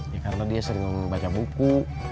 ya karena dia sering membaca buku